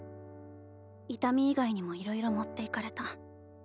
痛み以外にもいろいろ持っていかれた。